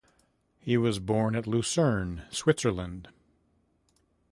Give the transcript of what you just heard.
He was born at Lucerne, Switzerland.